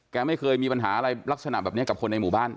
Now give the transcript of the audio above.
ไม่เคยมีปัญหาอะไรลักษณะแบบนี้กับคนในหมู่บ้าน